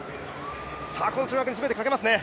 この跳躍に全てをかけますね。